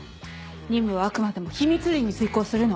任務はあくまでも秘密裏に遂行するの。